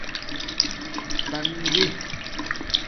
تناگے